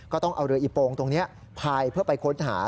ต้องเอาเรืออีโปงตรงนี้พายเพื่อไปค้นหา